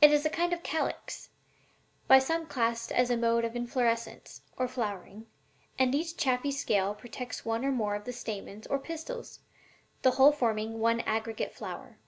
It is a kind of calyx, by some classed as a mode of inflorescence (or flowering), and each chaffy scale protects one or more of the stamens or pistils, the whole forming one aggregate flower.